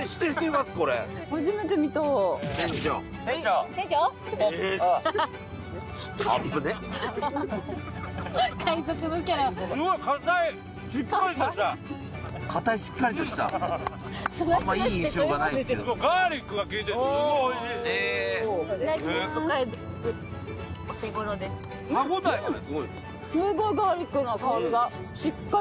すごいガーリックの香りがしっかり。